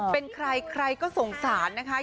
เป็นใครใครก็สงสารนะคะ